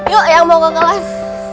yuk yang mau ke kelas